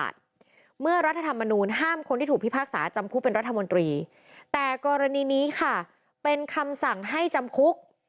เป็นรัฐมนตรีแต่กรณีนี้ค่ะเป็นคำสั่งให้จำคุก